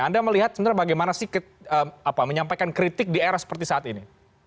anda melihat sebenarnya bagaimana sih menyampaikan kritik di era seperti saat ini